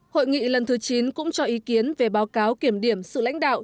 hội nghị lần thứ chín cũng cho ý kiến về báo cáo kiểm điểm sự lãnh đạo